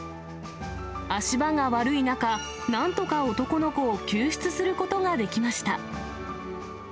足場が悪い中、なんとか男の子を救出することができました。